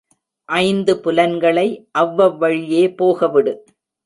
ஐந்து புலன்களை அவ்வவ் வழியே போகவிடு.